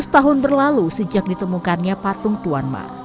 seratus tahun berlalu sejak ditemukannya patung tuan ma